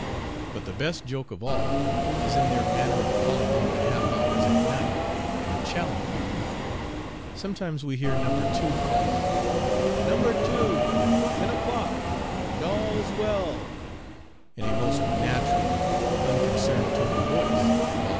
But the best joke of all is in their manner of calling off the half hours at night, and of challenging. Sometimes we hear No. 2 call off, "No. 2, ten o'clock, and all is well," in a most natural and unconcerned tone of voice, while No.